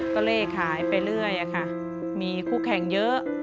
ก็เลยขายไปเรื่อยค่ะมีคู่แข่งเยอะ